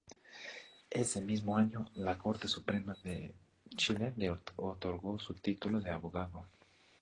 Ese mismo año, la Corte Suprema de Chile le otorgó su título de abogado.